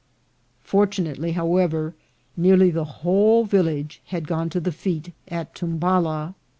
Fortunately, however, nearly the whole village had gone to the fete at Tumbala.